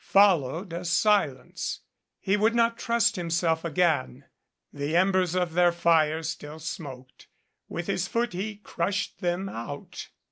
Followed a silence. He would not trust himself again. The embers of their fire still smoked. With his foot he crushed them out.